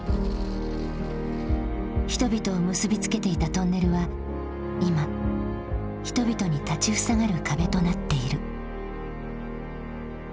人々を結び付けていたトンネルは今人々に立ち塞がる壁となっている。